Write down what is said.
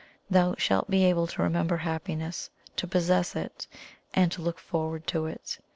Thou shalt be able to remember happiness, to possess it, and to look forward to it.